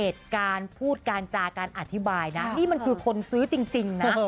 เหตุการณ์พูดการจาการอธิบายนะนี่มันคือคนซื้อจริงนะ